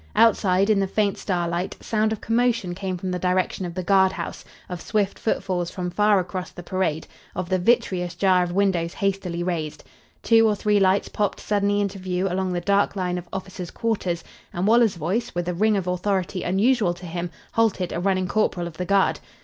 Outside, in the faint starlight, sound of commotion came from the direction of the guard house, of swift footfalls from far across the parade, of the vitreous jar of windows hastily raised. Two or three lights popped suddenly into view along the dark line of officers' quarters, and Waller's voice, with a ring of authority unusual to him, halted a running corporal of the guard.